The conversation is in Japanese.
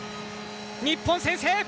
日本、先制！